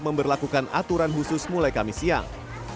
memperlakukan aturan khusus mulai kamis siang